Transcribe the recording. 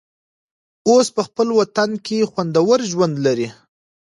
اوس په خپل وطن کې خوندور ژوند لري.